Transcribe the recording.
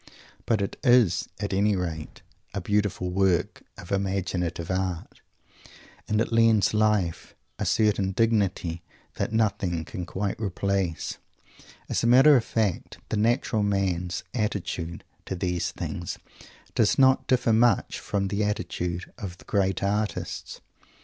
But it is, at any rate, a beautiful work of imaginative art, and it lends life a certain dignity that nothing can quite replace. As a matter of fact, the natural man's attitude to these things does not differ much from the attitude of the great artists.